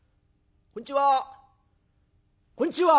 「こんちは。